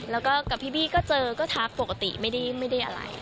แล้วก็กับพี่บี้ก็เจอก็ทักปกติไม่ได้อะไร